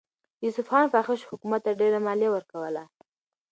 د اصفهان فاحشو حکومت ته ډېره مالیه ورکوله.